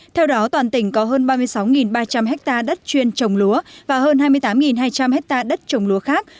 theo đó toàn tỉnh có hơn ba mươi sáu ba trăm linh ha đất chuyên trồng lúa và hơn hai mươi tám hai trăm linh hectare đất trồng lúa khác